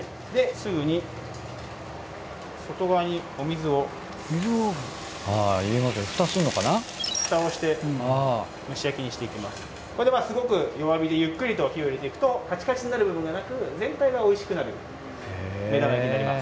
すごく弱火でゆっくりと火を入れていくとカチカチになる部分がなく全体がおいしくなる目玉焼きになります。